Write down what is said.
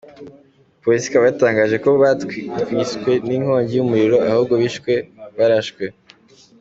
Polisi ikaba yatangaje ko batishwe ninkongi yumuriro, ahubwo bishwe barashwe.